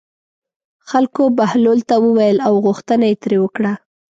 خلکو بهلول ته وویل او غوښتنه یې ترې وکړه.